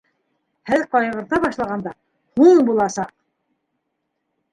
Һеҙ ҡайғырта башлағанда һуң буласаҡ!